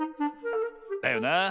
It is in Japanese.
だよなあ。